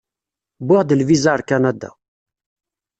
Wwiɣ-d lviza ar Kanada.